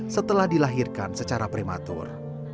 setelah dilahirkan secara prematur